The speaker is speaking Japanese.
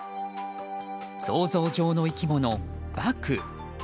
想像上の生き物、バク。